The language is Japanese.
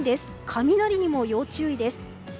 雷にも要注意です。